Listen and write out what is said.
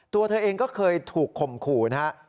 ตัวเธอเองก็เคยถูกข่มขู่นะครับ